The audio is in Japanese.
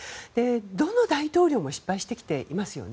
どの大統領も失敗してきていますよね。